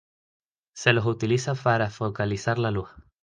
Se los utiliza para focalizar la luz.